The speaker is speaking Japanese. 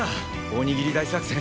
おにぎり大作戦！